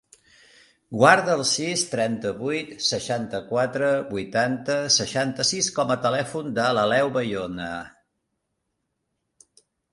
Guarda el sis, trenta-vuit, seixanta-quatre, vuitanta, seixanta-sis com a telèfon de l'Aleu Bayona.